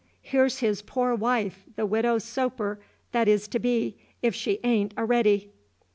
Here's his poor wife, the Widow Soper that is to be, if she a'n't a'ready."